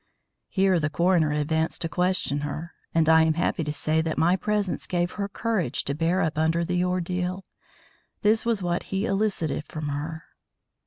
Here the coroner advanced to question her, and I am happy to say that my presence gave her courage to bear up under the ordeal. This was what he elicited from her.